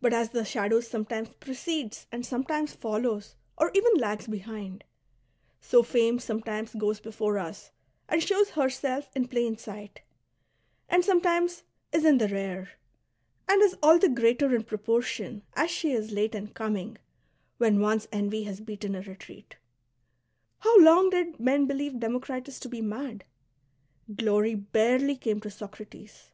But, as the shadow sometimes precedes and sometimes follows or even lags behind, so fame sometimes goes before us and shows herself in plain sight, and sometimes is in the rear, and is all the greater in proportion as she is late in coming, when once envy has beaten a retreat. How long did men believe Democritus ^' to be mad I Glory barely came to Soci*ates.